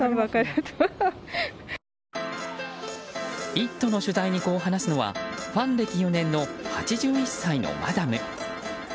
「イット！」の取材にこう話すのはファン歴４年の８１歳のマダム。